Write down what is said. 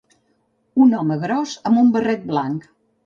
Un home gros amb un barret blanc.